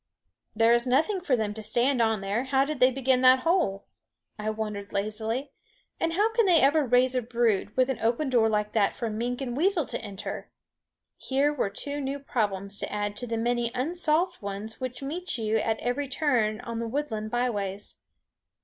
"There is nothing for them to stand on there; how did they begin that hole?" I wondered lazily; "and how can they ever raise a brood, with an open door like that for mink and weasel to enter?" Here were two new problems to add to the many unsolved ones which meet you at every turn on the woodland byways.